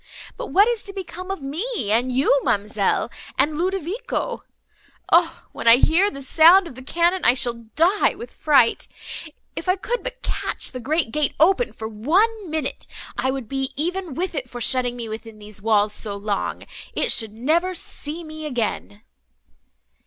But what is to become of me and you, ma'amselle, and Ludovico? O! when I hear the sound of the cannon, I shall die with fright. If I could but catch the great gate open for one minute, I would be even with it for shutting me within these walls so long!—it should never see me again."